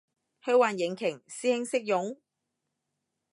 虛幻引擎？師兄識用？